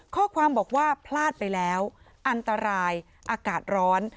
ข้อความบอกว่าพลาดไปแล้วอันตรายอากาศร้อน